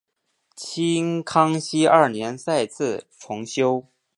清康熙二年再次重修。